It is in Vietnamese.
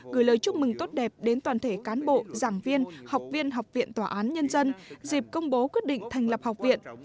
gửi lời chúc mừng tốt đẹp đến toàn thể cán bộ giảng viên học viên học viện tòa án nhân dân dịp công bố quyết định thành lập học viện